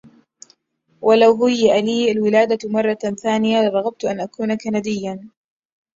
لو هُيئ لي الولادةَ مرةً ثانية، لرغبت أن أكون كندياً.